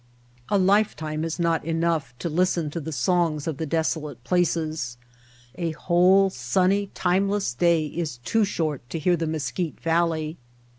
A lifetime is not long enough to listen to the songs of the desolate places. A whole sunny, timeless day is too short to hear the Mesquite Valley.